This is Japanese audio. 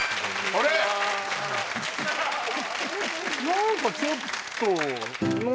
何かちょっと何？